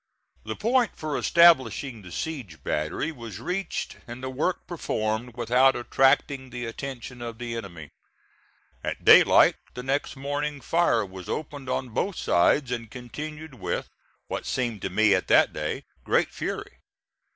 The point for establishing the siege battery was reached and the work performed without attracting the attention of the enemy. At daylight the next morning fire was opened on both sides and continued with, what seemed to me at that day, great fury.